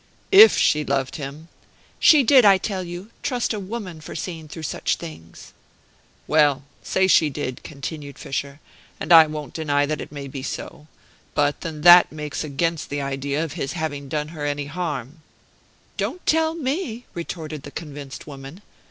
"If she loved him." "She did, I tell you. Trust a woman for seeing through such things." "Well, say she did," continued Fischer, "and I won't deny that it may be so; but then that makes against the idea of his having done her any harm." "Don't tell me," retorted the convinced woman.